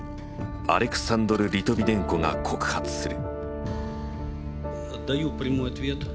アレクサンドル・リトビネンコが告発する。